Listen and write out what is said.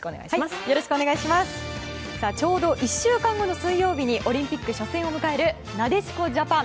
ちょうど１週間後の水曜日にオリンピック初戦を迎えるなでしこジャパン。